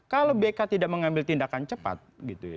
kalau bk tidak mengambil tindakan cepat gitu ya